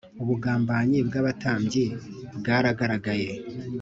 ubugambanyi bw’abatambyi bwaragaragaye